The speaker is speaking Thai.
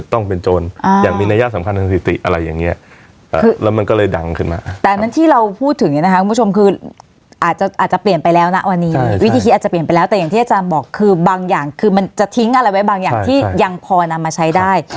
แต่อย่างที่อาจารย์บอกคือบางอย่างคือมันจะทิ้งอะไรไว้บางอย่างที่ยังพอนำมาใช้ได้